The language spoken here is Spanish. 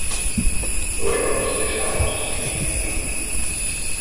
luego nos besamos y...